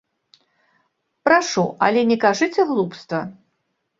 Прашу, але не кажыце глупства.